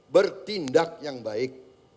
bertindak yang baik